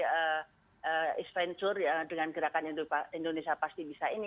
east venture dengan gerakan indonesia pasti bisa ini